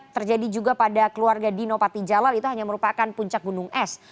terjadi juga pada keluarga dino patijalal itu hanya merupakan puncak gunung es